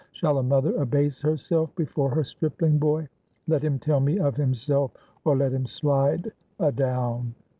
Shall a mother abase herself before her stripling boy? Let him tell me of himself, or let him slide adown!"